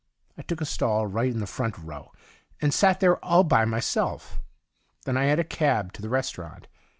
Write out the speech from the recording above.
I took a stall right in the front row, and sat there all by my self. Then I had a cab to the restaurant.